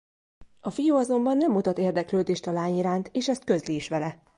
A fiú azonban nem mutat érdeklődést a lány iránt és ezt közli is vele.